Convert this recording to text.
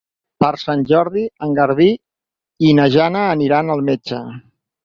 Per Sant Jordi en Garbí i na Jana aniran al metge.